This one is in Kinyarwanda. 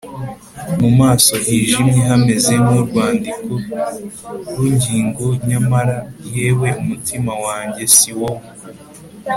mu maso hijimye hameze nk'urwandiko-rugingo, nyamara - yewe! umutima wanjye - si wowe!